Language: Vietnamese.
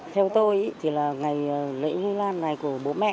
theo tôi thì là ngày lễ huy lan này của bố mẹ